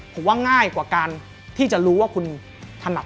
ผมว่าง่ายกว่าการที่จะรู้ว่าคุณถนัด